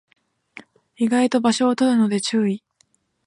意外と場所を取るので注意